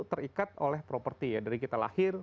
terikat oleh properti ya dari kita lahir